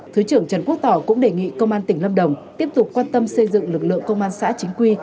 thứ trưởng trần quốc tỏ cũng đề nghị công an tỉnh lâm đồng tiếp tục quan tâm xây dựng lực lượng công an xã chính quy